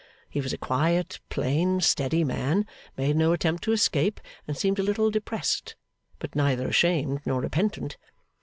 He was a quiet, plain, steady man; made no attempt to escape; and seemed a little depressed, but neither ashamed nor repentant.